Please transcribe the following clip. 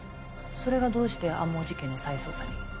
それがどうして天羽事件の再捜査に？